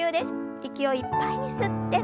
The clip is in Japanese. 息をいっぱいに吸って。